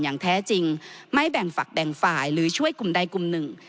อย่างแท้จริงไม่แบ่งฝักแบ่งฝ่ายหรือช่วยกลุ่มใดกลุ่มหนึ่ง